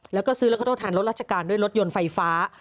แล้วก็ซื้อแล้วก็ทดแทนรถราชการด้วยรถยนต์ไฟฟ้า